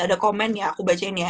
ada komen ya aku baca ini ya